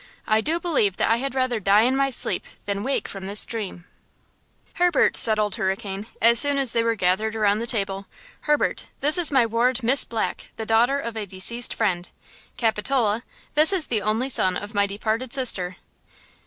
I do believe that I had rather die in my sleep than wake from this dream!" "Herbert," said old Hurricane, as soon as they were gathered around the table– "Herbert, this is my ward, Miss Black, the daughter of a deceased friend. Capitola, this is the only son of my departed sister."